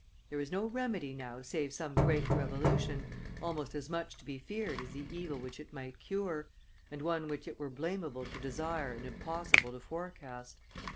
There is no remedy now save some great revolution, almost as much to be feared as the evil which it might cure, and one which it were blamable to desire and impossible to forecast.